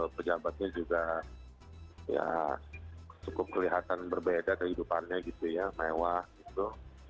pejabatnya juga ya cukup kelihatan berbeda kehidupannya gitu ya mewah gitu